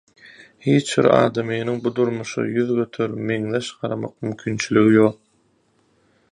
Hiç bir adamynyň bu durmuşa ýüz göterim meňzeş garamak mümkinçiligi ýok.